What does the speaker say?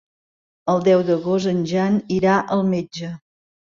El deu d'agost en Jan irà al metge.